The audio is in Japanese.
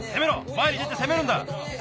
まえに出てせめるんだ。